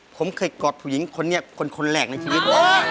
ผมเคยกอดผู้หญิงคนนี้คนแรกในชีวิต